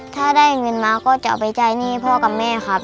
ถ้าได้เงินมาก็จะเอาไปจ่ายหนี้พ่อกับแม่ครับ